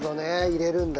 入れるんだ。